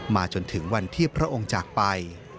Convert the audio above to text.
จนถึงวันที่พระองค์จากไป